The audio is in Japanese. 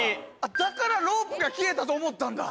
だからロープが消えたと思ったんだ。